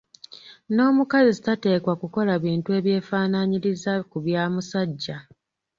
N’omukazi tateekwa kukola bintu eby'efaananyiriza ku bya musajja.